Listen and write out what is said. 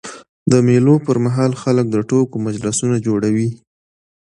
د مېلو پر مهال خلک د ټوکو مجلسونه جوړوي.